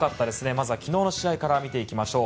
まず昨日の試合から見ていきましょう。